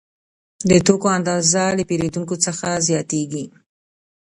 د توکو اندازه له پیرودونکو څخه زیاتېږي